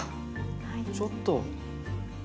ちょっと。